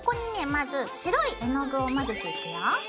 まず白い絵の具を混ぜていくよ。